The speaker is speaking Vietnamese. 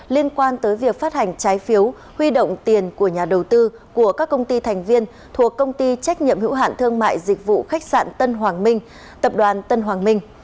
liên quan tới việc phát hành trái phiếu huy động tiền của nhà đầu tư của các công ty thành viên thuộc công ty trách nhiệm hữu hạn thương mại dịch vụ khách sạn tân hoàng minh tập đoàn tân hoàng minh